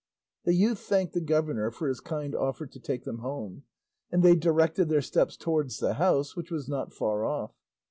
The youth thanked the governor for his kind offer to take them home, and they directed their steps towards the house, which was not far off.